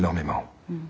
うん。